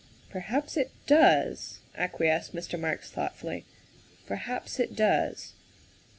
''" Perhaps it does," acquiesced Mr. Marks thought fully, " perhaps it does."